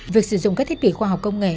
việc sử dụng các thiết bị khoa học công nghệ